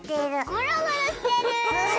ゴロゴロしてる！